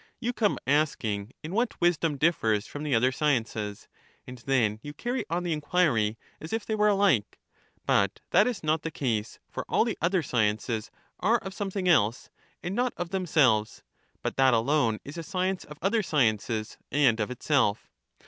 You come asking in what wisdom differs from the other sciences; and then you carry on the inquiry, as if they were alike : but that is not the case, for all the other sciences are of something else, and not of them selves ; but that alone is a science of other sciences, and of itself.